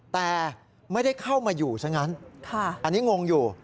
แต่ไม่ได้เข้ามาอยู่ซะงั้นอันนี้งงอยู่